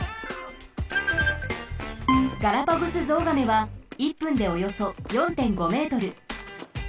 ガラパゴスゾウガメは１分でおよそ４．５ｍ。